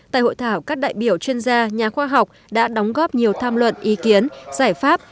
tại hội thảo các đại biểu chuyên gia nhà khoa học đã đóng góp nhiều tham luận ý kiến giải pháp